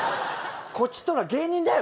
こちとら芸人だよ。